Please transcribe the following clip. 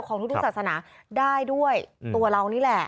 ของทุกศาสนาได้ด้วยตัวเรานี่แหละ